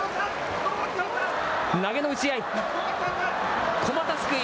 投げの打ち合い。